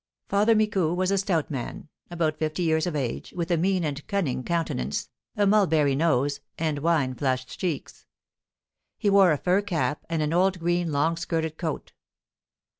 Father Micou was a stout man, about fifty years of age, with a mean and cunning countenance, a mulberry nose, and wine flushed cheeks. He wore a fur cap and an old green long skirted coat.